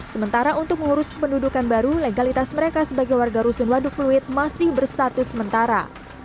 sementara untuk mengurus kependudukan baru legalitas mereka sebagai warga rusun waduk fluid masih berstatus sementara